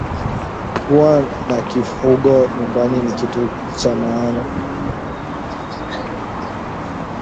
Kuwa na kifugo nyumbani ni kitu kya maana